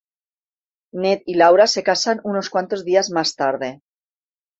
Ned y Laura se casan unos cuantos días más tarde.